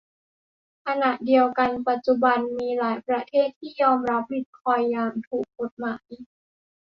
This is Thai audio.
ขณะเดียวกันปัจจุบันมีหลายประเทศที่ยอมรับบิตคอยน์อย่างถูกกฎหมาย